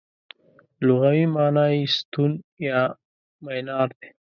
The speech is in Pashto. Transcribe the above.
لغوي مانا یې ستون یا مینار دی.